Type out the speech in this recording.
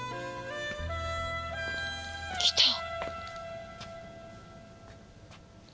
来た！